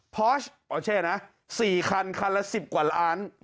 พอร์ช๔คันคันละ๑๐กว่าล้าน